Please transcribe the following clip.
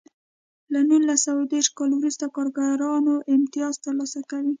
له نولس سوه دېرش کال وروسته کارګرانو امتیاز ترلاسه کوی.